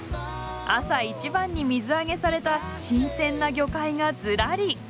朝一番に水揚げされた新鮮な魚介がズラリ。